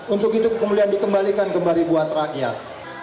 untuk itu kemudian dikembalikan kembali buat rakyat